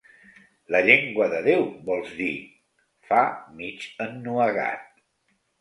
¿La llengua de Déu, vols dir?, fa mig ennuegat.